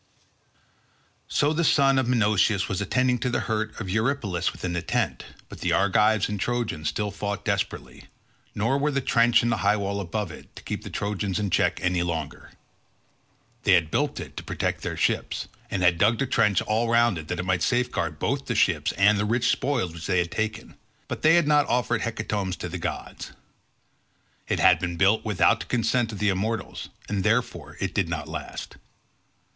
So the son of Menoetius was attending to the hurt of Eurypylus within the tent, but the Argives and Trojans still fought desperately, nor were the trench and the high wall above it, to keep the Trojans in check longer. They had built it to protect their ships, and had dug the trench all round it that it might safeguard both the ships and the rich spoils which they had taken, but they had not offered hecatombs to the gods. It had been built without the consent of the immortals, and therefore it did not last.